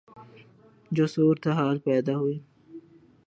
جو صورتحال پیدا ہوئی